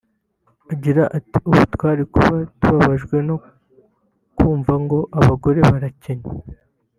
Agira ati “Ubu twari kuba tubabajwe no kuvuga ngo abagore barakennye